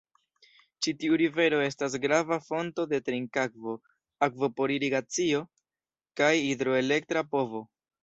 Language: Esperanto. Ĉi tiu rivero estas grava fonto de trinkakvo, akvo por irigacio, kaj hidroelektra povo.